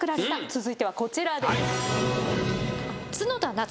続いてはこちらです。